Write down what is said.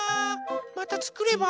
またつくれば？